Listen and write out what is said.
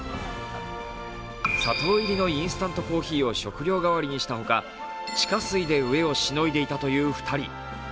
砂糖入りのインスタントコーヒーを食料代わりにしたほか地下水で飢えをしのいでいたという２人。